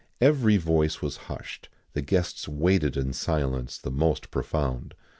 [XIX 66] Every voice was hushed; the guests waited in silence the most profound.